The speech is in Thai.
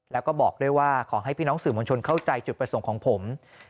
แล้วก็บอกด้วยว่าขอให้พี่น้องสื่อมวลชนเข้าใจจุดประสงค์ของผม